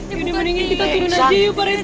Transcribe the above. eh ini mendingin kita tidur aja yuk pak rt